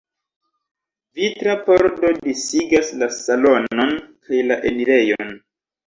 Vitra pordo disigas la salonon kaj la enirejon.